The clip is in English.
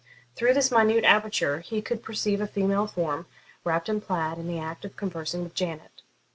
Through this minute aperture he could perceive a female form, wrapped in a plaid, in the act of conversing with Janet.